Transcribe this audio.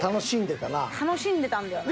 楽しんでたんだよな。